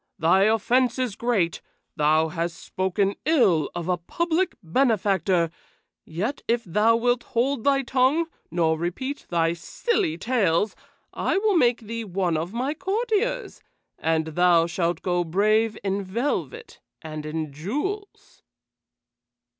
"Thy offense is great: thou hast spoken ill of a public benefactor, yet if thou wilt hold thy tongue, nor repeat thy silly tales, I will make thee one of my courtiers, and thou shalt go brave in velvet and in jewels."